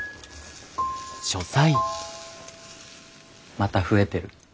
また増えてる。